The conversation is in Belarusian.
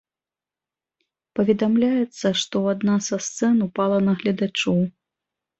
Паведамляецца, што адна са сцэн ўпала на гледачоў.